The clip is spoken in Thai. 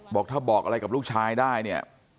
บอกถ้าบอกอะไรกับลูกชายได้เนี่ย